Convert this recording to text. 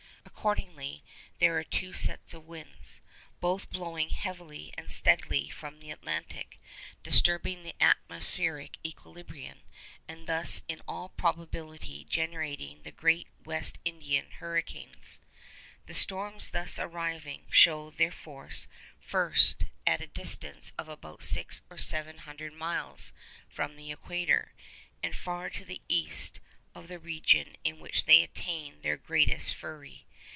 Accordingly there are two sets of winds, both blowing heavily and steadily from the Atlantic, disturbing the atmospheric equilibrium, and thus in all probability generating the great West Indian hurricanes. The storms thus arising show their force first at a distance of about six or seven hundred miles from the equator, and far to the east of the region in which they attain their greatest fury.